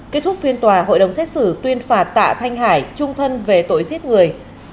kết thúc phiên tòa hội đồng xét xử tuyên phạt tạ thanh hải trung thân về tội giết người